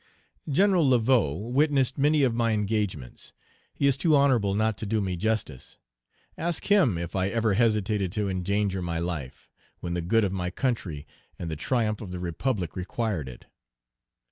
Gen. Laveaux witnessed many of my engagements; he is too honorable not to do me justice: ask him if I ever hesitated to endanger my life, when the good of my country and the triumph of the Republic required it.